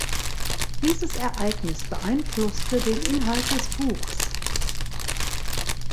Dieses Ereignis beeinflusste den Inhalt des Buchs.